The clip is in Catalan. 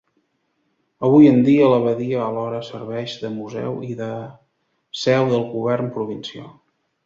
Avui en dia, l'abadia alhora serveix de museu i de seu del govern provincial.